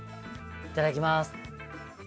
いただきます。